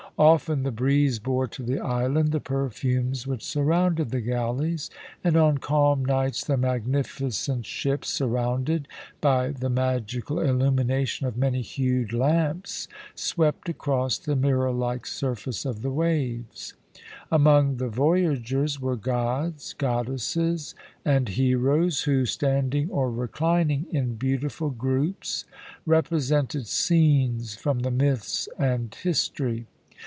Often the breeze bore to the island the perfumes which surrounded the galleys, and on calm nights the magnificent ships, surrounded by the magical illumination of many hued lamps, swept across the mirror like surface of the waves, Among the voyagers were gods, goddesses, and heroes who, standing or reclining in beautiful groups, represented scenes from the myths and history.